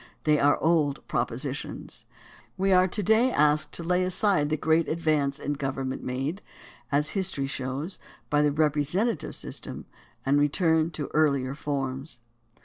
They are old propositions. We are to day asked to lay aside the great advance in government made, as history shows, by the representative system and return to earlier forms.